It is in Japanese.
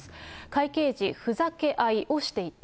会計時、ふざけ合いをしていた。